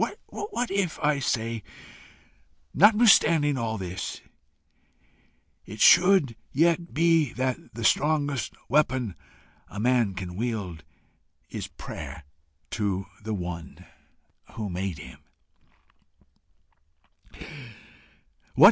what if, I say, notwithstanding all this, it should yet be that the strongest weapon a man can wield is prayer to one who made him!